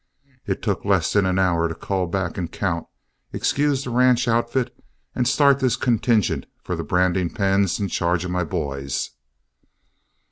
It took less than an hour to cull back and count, excuse the ranch outfit, and start this contingent for the branding pens in charge of my boys.